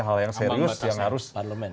hal yang serius yang harus